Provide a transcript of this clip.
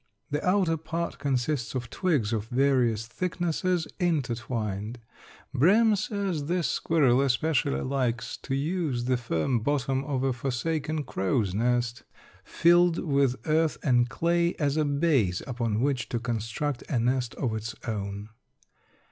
The outer part consists of twigs of various thicknesses, intertwined. Brehm says this squirrel especially likes to use the firm bottom of a forsaken crow's nest, filled with earth and clay, as a base upon which to construct a nest of its own.